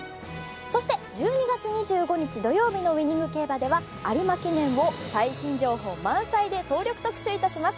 そして１２月２５日土曜日の『ウイニング競馬』では有馬記念を最新情報満載で総力特集いたします。